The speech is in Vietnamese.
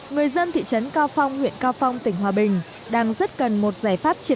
người dân thị trấn cao phong huyện cao phong tỉnh hòa bình đang rất cần một giải pháp triệt